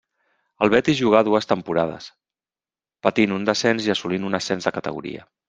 Al Betis jugà dues temporades, patint un descens i assolint un ascens de categoria.